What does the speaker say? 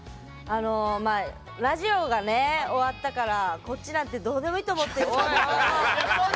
ラジオがね終わったからこっちなんてどうでもいいと思ってるかもしれないけど。